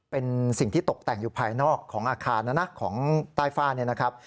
เป็นสิ่งที่ตกแต่งอยู่ภายนอกของอาคารนะนะของใต้ฝ้าเนี่ยนะครับ